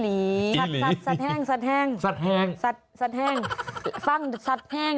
ใครได้ยินในฝั่งแล้ว